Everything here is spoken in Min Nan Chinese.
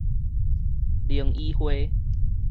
靈醫會